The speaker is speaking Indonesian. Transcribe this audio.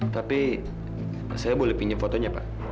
tapi saya boleh pinjam fotonya pak